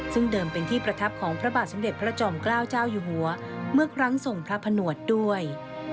ซึ่งเดิมเป็นที่ประทับของพระบาทสมเด็จพระจอมเกล้าเจ้าอยู่หัวเมื่อครั้งส่งพระผนวดด้วย